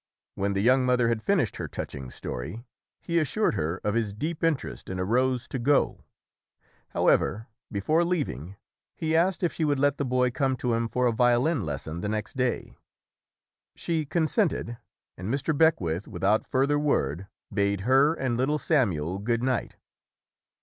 When the young mother had finished her touching story, he assured her of his deep interest and arose to go. However, before leaving, he asked if she would let the boy come SAMUEL COLERIDGE TAYLOR [131 to him for a violin lesson the next day. She con sented and Mr. Beckwith, without further word, bade her and little Samuel good night.